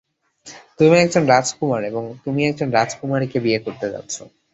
তুমি একজন রাজকুমার, এবং তুমি একজন রাজকুমারীকে বিয়ে করতে যাচ্ছ।